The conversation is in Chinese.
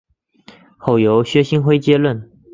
后由薛星辉接任。